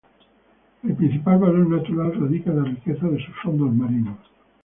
El principal valor natural radica en la riqueza de sus fondos marinos.